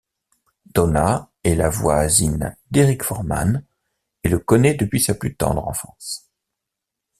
Donna est la voisine d'Eric Forman et le connaît depuis sa plus tendre enfance.